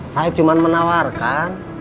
saya cuma menawarkan